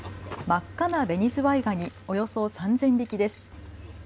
真っ赤なベニズワイガニ、およそ３０００匹です。